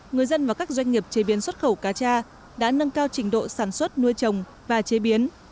người dân và các doanh nghiệp chế biến xuất khẩu cá cha đã nâng cao trình độ sản xuất nuôi trồng và chế biến